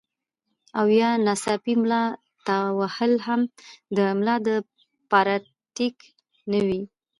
او يا ناڅاپي ملا تاوهل هم د ملا د پاره ټيک نۀ وي